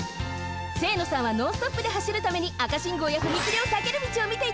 清野さんはノンストップではしるために赤信号や踏切をさける道をみていたのね。